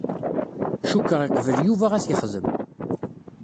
Cukkeɣ iqbel Yuba ad t-ixdem.